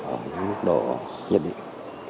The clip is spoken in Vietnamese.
ở những mức độ nhất định